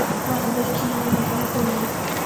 আমাদের কী মনে করো তুমি?